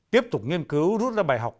tiếp tục nghiên cứu rút ra bài học